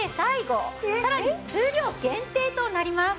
さらに数量限定となります。